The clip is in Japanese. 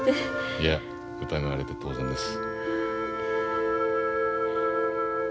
いや疑われて当然です。